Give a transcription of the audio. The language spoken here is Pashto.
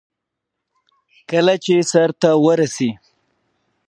ما د پخلنځي وسایل واخیستل.